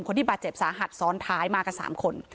คนที่บาดเจ็บสาหัสซ้อนท้ายมากับ๓คน